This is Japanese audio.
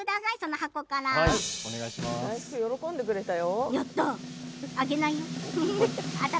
大福、喜んでくれたよ。